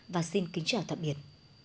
và xin kính chào tạm biệt